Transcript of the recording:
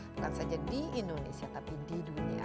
bukan saja di indonesia tapi di dunia